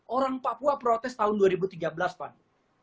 orang papua protes tahun dua ribu tiga belas pak